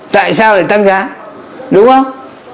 tại sao lại tăng giá đúng không